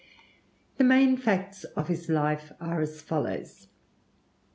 The main facts of his life are as follows.